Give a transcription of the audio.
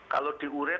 kalau di ure kok